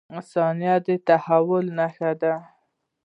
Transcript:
• ثانیه د تحول نښه ده.